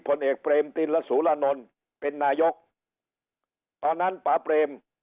ผลเอกเปรมตินและศูลานนเป็นนายกตอนนั้นปาเปรม